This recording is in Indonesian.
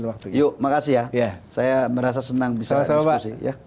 terima kasih ya saya merasa senang bisa diskusi